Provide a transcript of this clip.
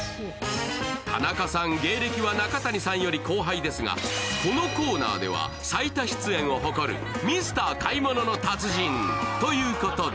田中さん、芸歴は中谷さんより後輩ですが、このコーナーでは最多出演を誇るミスター買い物の達人ということで。